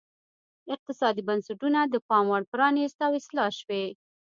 اقتصادي بنسټونه د پاموړ پرانیست او اصلاح شوي.